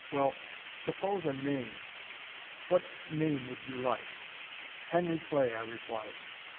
Well, suppose a name. What name would you like?" "Henry Clay," I replied.